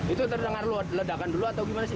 itu terdengar ledakan dulu atau gimana sih